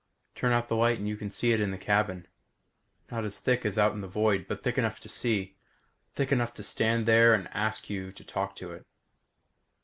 Turn out the light and you can see it in the cabin. Not as thick as out in the void but thick enough to see; thick enough to stand there and ask you to talk to it.